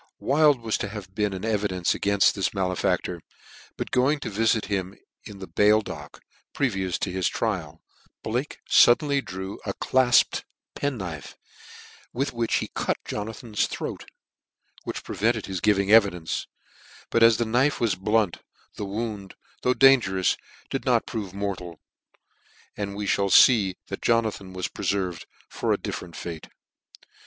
Wild was to have been an evidence againft this malefactor ; but going to vifit him in the bail dock, previous to his trial, Blake fuddenly drew a clafped penknife, with which he cut Jonathan's throat, which prevented his giving evidence ; but as the knife was blunt, the wound, though dan gerous, did not prove mortal j and we mall fee that Jonathan was prcfcrved for a different rattr.